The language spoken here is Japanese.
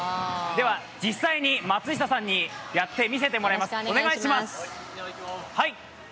実際に松下さんにやってみせてもらいます。